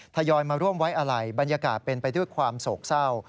ทยอยมาร่วมไว้อะไรบรรยากาศเป็นไปด้วยความโศกเศร้า